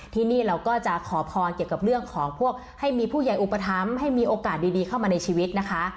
ที่นี่เราก็จะขอพรเกี่ยวกับเรื่องของพวกให้มีผู้ใหญ่อุปถัมภ์ให้มีโอกาสดีเข้ามาในชีวิตนะคะ